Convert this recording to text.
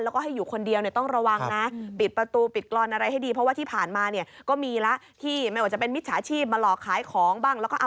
และก็ให้อยู่คนเดียวก็ต้องระวังนะ